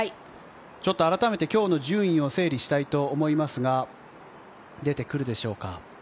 ちょっと改めて今日の順位を整理したいと思いますが出てくるでしょうか。